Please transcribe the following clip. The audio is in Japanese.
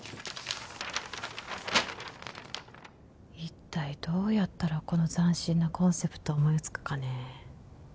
一体どうやったらこの斬新なコンセプトを思いつくかね